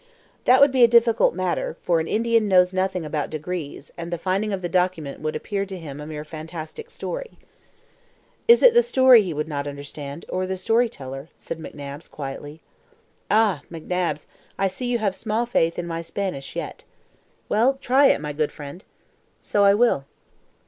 "That would be a difficult matter, for an Indian knows nothing about degrees, and the finding of the document would appear to him a mere fantastic story." "Is it the story he would not understand, or the storyteller?" said McNabbs, quietly. "Ah, McNabbs, I see you have small faith in my Spanish yet." "Well, try it, my good friend." "So I will."